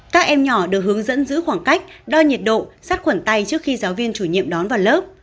các em nhỏ được hướng dẫn giữ khoảng cách đo nhiệt độ sát khuẩn tay trước khi giáo viên chủ nhiệm đón vào lớp